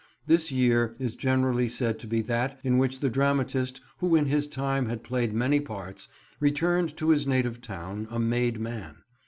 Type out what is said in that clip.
This year is generally said to be that in which the dramatist who in his time had played many parts, returned to his native town, a made man.